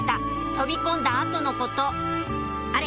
飛び込んだ後のことあれ？